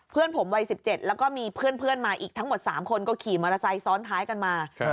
เพื่อนผมวัย๑๗แล้วก็มีเพื่อนมาอีกทั้งหมด๓คนก็ขี่มอเตอร์ไซค์ซ้อนท้ายกันมา